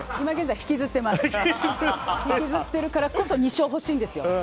引きずってるからこそ２勝が欲しいんですよ。